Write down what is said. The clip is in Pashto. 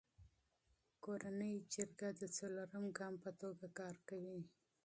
کورنی جرګه د څلورم ګام په توګه کار کوي.